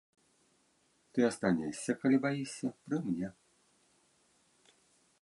Ты астанешся, калі баішся, пры мне.